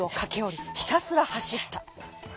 ひたすらはしった。